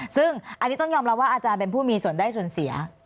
ซึ่งอันนี้ต้องยอมรับว่าอาจารย์เป็นผู้มีส่วนได้ส่วนเสีย